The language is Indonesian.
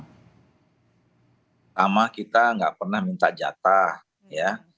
pertama kita nggak pernah minta jatah ya